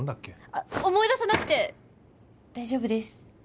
あっ思い出さなくて大丈夫です